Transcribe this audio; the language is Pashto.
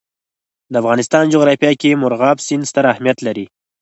د افغانستان جغرافیه کې مورغاب سیند ستر اهمیت لري.